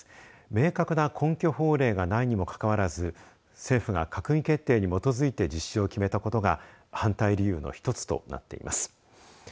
明確な根拠法令がないにもかかわらず政府が閣議決定に基づいて実施を決めたことが反対理由の１つとなっています。